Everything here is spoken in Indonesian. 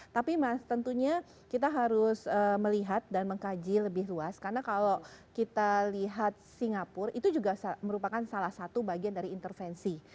tapi mas tentunya kita harus melihat dan mengkaji lebih luas karena kalau kita lihat singapura itu juga merupakan salah satu bagian dari intervensi